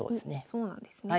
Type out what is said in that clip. そうなんですね。